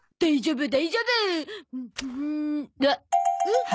ん？